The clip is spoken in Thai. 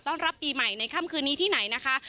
รับปีใหม่ในค่ำคืนนี้ที่ไหนนะคะ